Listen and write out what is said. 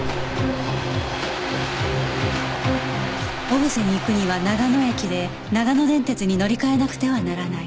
小布施に行くには長野駅で長野電鉄に乗り換えなくてはならない